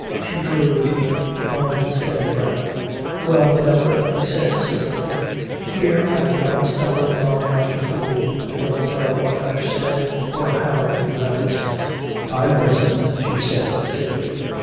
She drew a deep unsteady breath. "Well, Deborah," he said simply, "here I've gone stumbling on like a fool. I don't know what I've said or how you have listened." "I've listened," she said thickly.